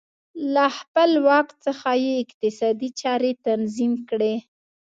له خپل واک څخه یې اقتصادي چارې تنظیم کړې